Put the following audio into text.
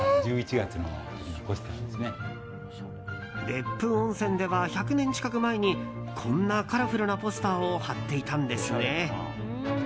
別府温泉では１００年近く前にこんなカラフルなポスターを貼っていたんですね。